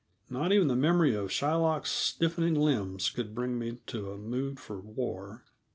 Not even the memory of Shylock's stiffening limbs could bring me to a mood for war.